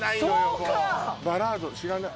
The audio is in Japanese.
もうバラード知らない？